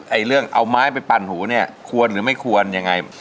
ไอ้เรื่องเอาไม้ไปปั่นหูเนี่ยควรหรือไม่ควรยังไง